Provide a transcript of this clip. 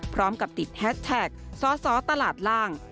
พร้อมกับติดแฮชแท็กซ้อตลาดล่าง